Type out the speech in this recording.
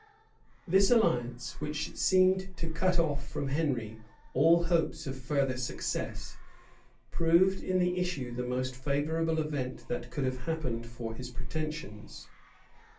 This alliance which seemed to cut off from Henry all hopes of further success, proved in the issue the most favorable event that could have happened for his pretensions.